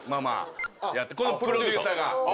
このプロデューサーが。